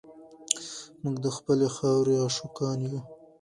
موږ د خپلې خاورې عاشقان یو.